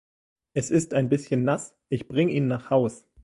Er ist ein bisschen nass, ich bring' ihn nach Haus'.